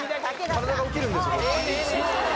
体が起きるんですよ・